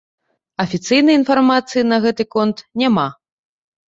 Афіцыйнай інфармацыі на гэты конт няма.